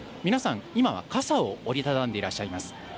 皆さん、今は傘を折り畳んでいらっしゃいます。